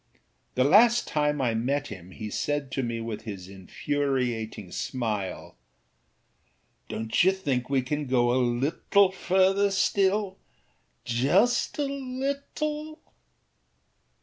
The last time I met him he said to me with his infuriating smile: âDonât you think we can go a little further stillâjust a little?